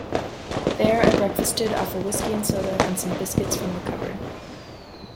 There I breakfasted off a whisky-and-soda and some biscuits from the cupboard.